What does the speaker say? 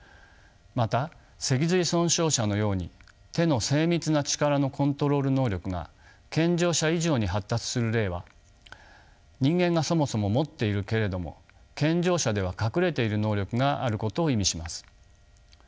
また脊髄損傷者のように手の精密な力のコントロール能力が健常者以上に発達する例は人間がそもそも持っているけれども健常者では隠れている能力があることを意味します。